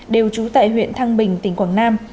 đối chú tại huyện thăng bình tỉnh quảng nam